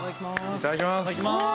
いただきます。